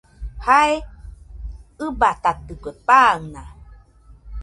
Jae ɨbatatikue, pan naa.